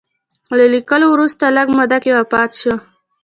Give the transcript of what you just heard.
له لیکلو وروسته لږ موده کې وفات شو.